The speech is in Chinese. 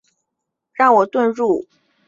让我遁入比更深更深之处